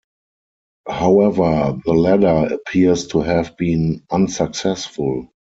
However, the ladder appears to have been unsuccessful.